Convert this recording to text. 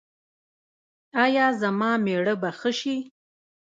ایا زما میړه به ښه شي؟